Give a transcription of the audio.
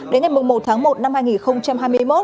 đến ngày một tháng một năm hai nghìn hai mươi một